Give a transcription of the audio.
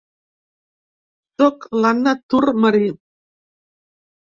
Soc l'Anna Tur Marí.